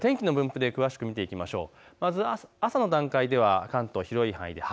天気の分布で詳しく見ていきましょう。